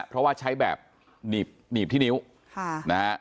เพราะว่าใช้แบบหนีบที่นิ้วนะฮะ